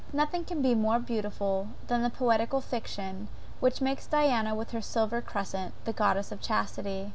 Nothing can be more beautiful than the poetical fiction, which makes Diana with her silver crescent, the goddess of chastity.